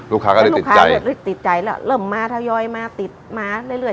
ลูกค้าติดใจแล้วเริ่มมาทยอยมาติดมาเรื่อย